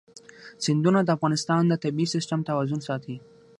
سیندونه د افغانستان د طبعي سیسټم توازن ساتي.